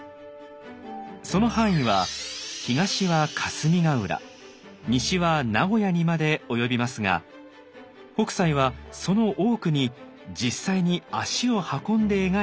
その範囲は東は霞ヶ浦西は名古屋にまで及びますが北斎はその多くに実際に足を運んで描いたといわれています。